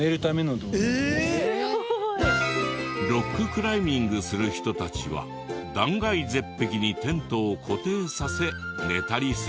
ロッククライミングする人たちは断崖絶壁にテントを固定させ寝たりするんだって。